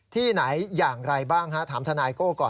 ที่ไหนอย่างไรบ้างฮะถามทนายโก้ก่อน